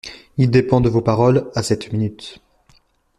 Il dépend de vos paroles, à cette minute!